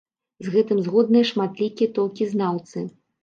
З гэтым згодныя шматлікія толкіназнаўцы.